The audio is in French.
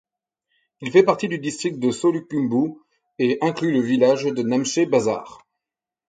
Il fait partie du district de Solukhumbu et inclus le village de Namche Bazar.